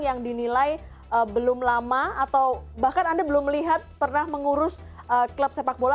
yang dinilai belum lama atau bahkan anda belum melihat pernah mengurus klub sepak bola